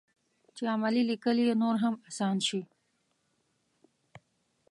چې عملي لیکل یې نور هم اسان شي.